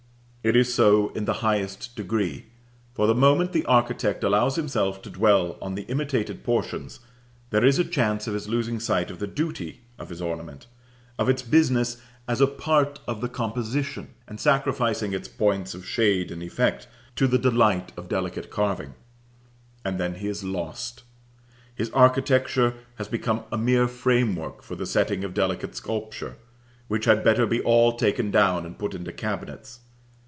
It is so in the highest degree; for the moment the architect allows himself to dwell on the imitated portions, there is a chance of his losing sight of the duty of his ornament, of its business as a part of the composition, and sacrificing its points of shade and effect to the delight of delicate carving. And then he is lost. His architecture has become a mere framework for the setting of delicate sculpture, which had better be all taken down and put into cabinets.